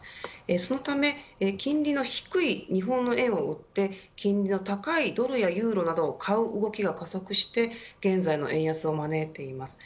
そのため金利の低い日本の円を売って金利の高いドルやユーロなどを買う動きが加速して現在の円安を招いています。